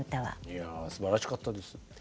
いやすばらしかったです。